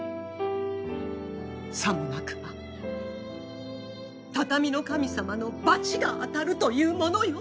さもなくば畳の神様の罰が当たるというものよ。